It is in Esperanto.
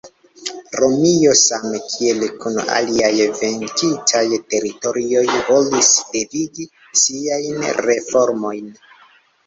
Romio, same kiel kun aliaj venkitaj teritorioj, volis devigi siajn reformojn.